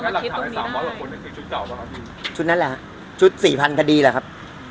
นับถาม๓๐๐กว่าคนอยู่ในชุดเสาร์บ้างไหมครับ